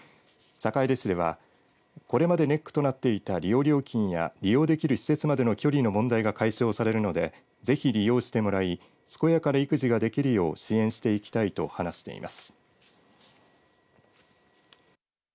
坂出市ではこれまでネックとなっていた利用料金や利用できる施設までの距離の問題が解消されるのでぜひ利用してもらい健やかな育児ができるよう支援していきたいと話しています。